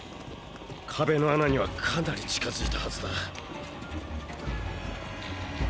壁の穴にはかなり近づいたはずだ。